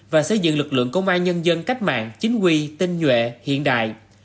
và xây dựng lực lượng công an nhân dân cách mạng chính quy tinh nhuệ hiện đại